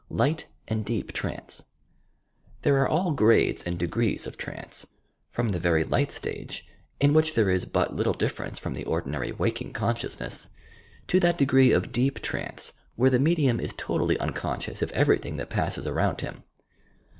LIGHT AND DEEP TRANCE There are all grades and degrees of trance, from the very light stage, in which there is but little difference from the ordinary waking eonscicnisness, to that degree of deep trance where the medium is totally unconscious of everything that passes around him.